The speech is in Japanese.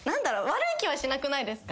悪い気はしなくないですか？